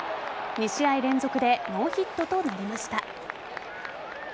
２試合連続でノーヒットとなりました。